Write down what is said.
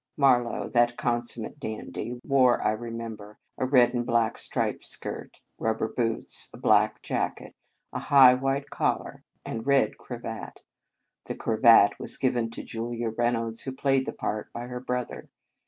Marlow, that consummate dandy, wore, I remem ber, a red and black striped skirt, rubber boots, a black jacket, a high white collar, and a red cravat. The cravat was given to Julia Reynolds, who played the part, by her brother.